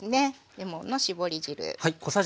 レモンの搾り汁。